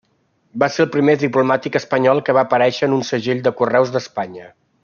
Va ser el primer diplomàtic espanyol que va aparèixer en un segell de correus d'Espanya.